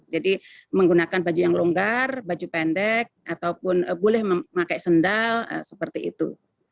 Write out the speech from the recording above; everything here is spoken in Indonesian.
jadi menggunakan baju yang longgar baju pendek ataupun boleh memakai sendal seperti itu